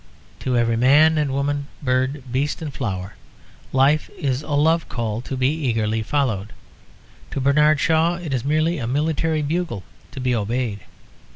To every man and woman, bird, beast, and flower, life is a love call to be eagerly followed. To Bernard Shaw it is merely a military bugle to be obeyed.